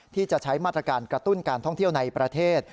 ที่จะใช้มาตรการกระตุ้นการท่องเที่ยวในประเทศ